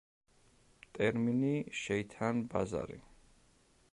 ტერმინი „შეითან ბაზარი“.